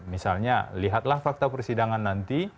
misalnya lihatlah fakta persidangan nanti